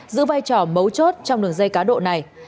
giữ vai trò mấu chốt trong đường dây cá độ này